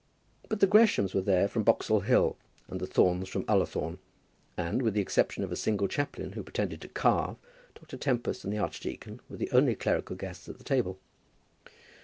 But the Greshams were there from Boxall Hill, and the Thornes from Ullathorne, and, with the exception of a single chaplain, who pretended to carve, Dr. Tempest and the archdeacon were the only clerical guests at the table.